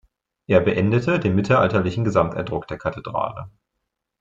Er beendete den mittelalterlichen Gesamteindruck der Kathedrale.